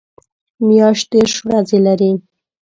میاشت دېرش ورځې لري